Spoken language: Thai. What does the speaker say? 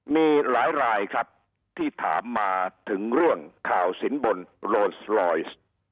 มีหลายรายครับที่ถามมาถึงเรื่องข่าวสินบนโรนสลอยซ์